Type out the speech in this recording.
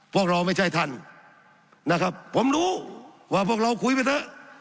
พวกเราไม่ใช่ท่านนะครับผมรู้ว่าพวกเราคุยไปเถอะ